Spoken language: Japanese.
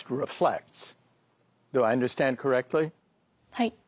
はい。